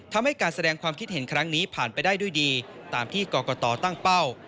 ทำให้การแสดงความคิดเห็นครั้งนี้ผ่านไปได้ด้วยดีตามที่กรกตตั้งเป้า